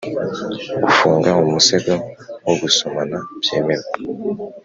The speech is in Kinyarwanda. gufunga umusego wo gusomana byemewe;